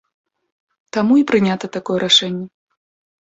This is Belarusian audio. Таму і прынята такое рашэнне.